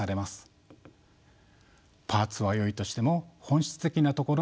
パーツはよいとしても本質的なところが欠落しています。